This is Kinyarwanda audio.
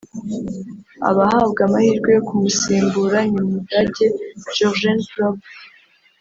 Abahabwa amahirwe yo kumusimbura ni umudage Jurgen Klopp